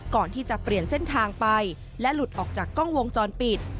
ก่อนที่จะเปลี่ยนเส้นทางไปและหลุดออกจากกล้องวงจรปิด